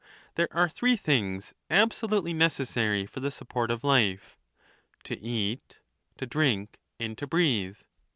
There are three things absohitely necessary for the support of life — to eat, to drink, and to breathe.